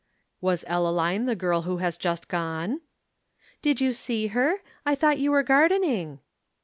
"Was Ellaline the girl who has just gone?" "Did you see her? I thought you were gardening."